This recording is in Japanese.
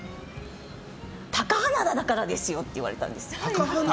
貴花田だからですよ！って言われたんですよ。